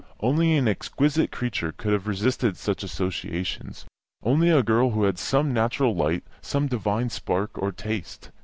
Only an exquisite creature could have resisted such associations, only a girl who had some natural light, some divine spark of taste.